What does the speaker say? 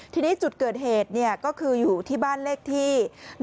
ทีนี้จุดเกิดเหตุก็คืออยู่ที่บ้านเลขที่๑